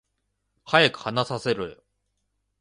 早く話させろよ